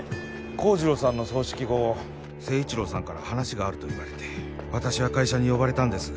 幸次郎さんの葬式後政一郎さんから話があると言われて私は会社に呼ばれたんです